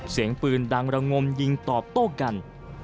เสียงปืนดังระงมยิงตอบโต้กัน